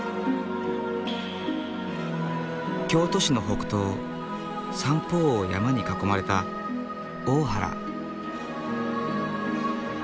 京都市の北東三方を山に囲まれた大原。